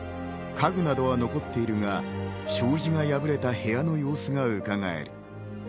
家具などは残っているが、障子が破れた部屋の様子がうかがえる。